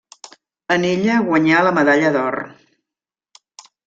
En ella guanyà la medalla d'or.